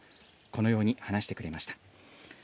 このように話してくれました。